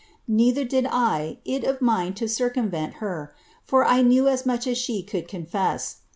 Neither did I it of mind to circumvent her ; for I knew w iDocb as she could confess.